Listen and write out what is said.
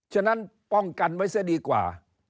ฉะนั้นป้องกันไว้เสียดีกว่า